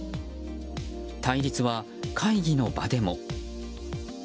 対立は、会議の場でも。